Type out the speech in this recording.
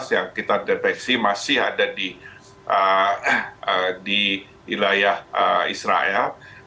yang kita deteksi masih ada di wilayah israel